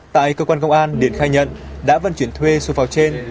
tại cơ quan công an điện khai nhận đã vận chuyển thuê số pháo trên